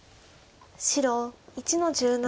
白１の十七。